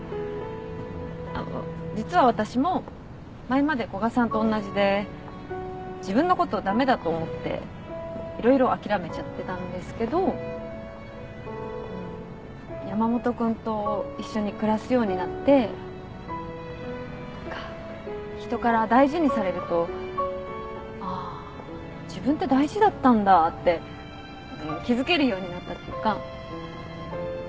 あっ実は私も前まで古賀さんとおんなじで自分のこと駄目だと思って色々諦めちゃってたんですけど山本君と一緒に暮らすようになって何か人から大事にされると「あ自分って大事だったんだ」って気付けるようになったというか。